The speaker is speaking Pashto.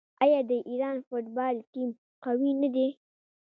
آیا د ایران فوټبال ټیم قوي نه دی؟